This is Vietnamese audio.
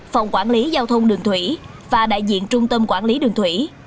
phòng quản lý giao thông đường thủy và đại diện trung tâm quản lý đường thủy